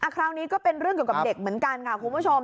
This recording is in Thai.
คราวนี้ก็เป็นเรื่องเกี่ยวกับเด็กเหมือนกันค่ะคุณผู้ชม